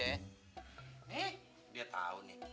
eh dia tahu nih